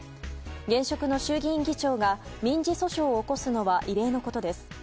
現職の衆議院議長が民事訴訟を起こすのは異例のことです。